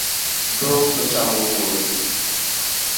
Dhok ochamo puodho